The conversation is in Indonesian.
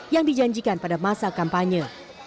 yang dijanjikan pada masa kampanye